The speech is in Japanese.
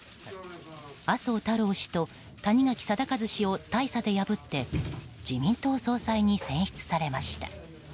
麻生太郎氏と谷垣禎一氏を大差で破って自民党総裁に選出されました。